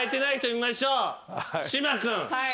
はい。